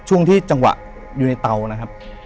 ช่วงที่จังหวะอยู่ในเตานะครับ